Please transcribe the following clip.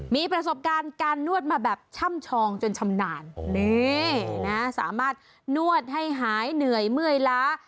มีประสบการณ์การนวดมาแบบช่ำชองจนชำนาญนี่นะสามารถนวดให้หายเหนื่อยเมื่อยล้า